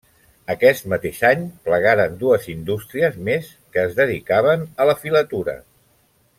Aquest mateix any, plegaren dues indústries més que es dedicaven a la filatura.